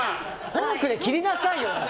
フォークで切りなさいよ！